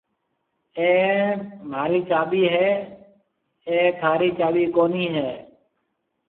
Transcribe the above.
اَي مهاري چاٻِي هيَ، اَي ٿاري چاٻِي ڪونَي هيَ۔